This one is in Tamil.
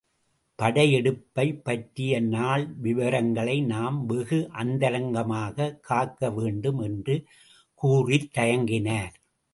படையெடுப்பைப் பற்றிய நாள் விவரங்களை நாம் வெகு அந்தரங்கமாகக் காக்க வேண்டும்!... என்று கூறித் தயங்கினார்.